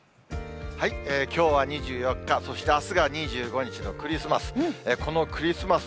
きょうは２４日、そしてあすが２５日のクリスマス。